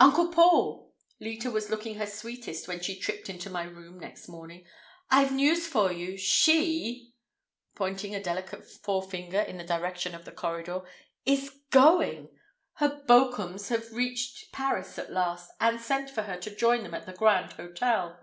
"Uncle Paul!" Leta was looking her sweetest when she tripped into my room next morning. "I've news for you. She," pointing a delicate forefinger in the direction of the corridor, "is going! Her Bokums have reached Paris at last, and sent for her to join them at the Grand Hotel."